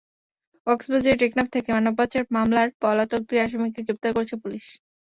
কক্সবাজারের টেকনাফ থেকে মানব পাচার মামলার পলাতক দুই আসামিকে গ্রেপ্তার করেছে পুলিশ।